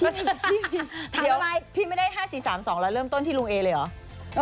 เดี๋ยวพี่ไม่ได้๕๔๓๒แล้วเริ่มต้นที่ลุงเอเลยเหรอ